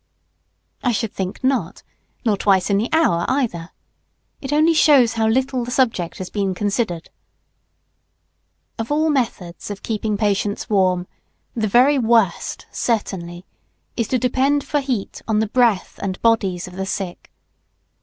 I should think not; nor twice in the hour either. It only shows how little the subject has been considered. [Sidenote: What kind of warmth desirable.] Of all methods of keeping patients warm the very worst certainly is to depend for heat on the breath and bodies of the sick.